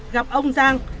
gặp ông giang